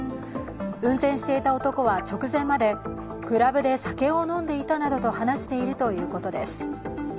運転していた男は直前までクラブで酒を飲んでいたと話しているということです。